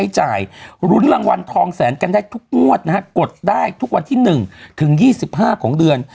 ให้จ่ายรุ้นรางวัลทองแสนกันได้ทุกงวดนะฮะกดได้ทุกวันที่หนึ่งถึงยี่สิบห้าของเดือน